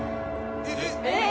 えっ！？